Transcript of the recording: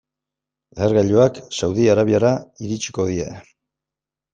Lehergailuak Saudi Arabiara iritsiko dira.